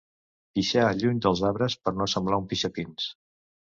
Pixar lluny dels arbres per no semblar un pixapins.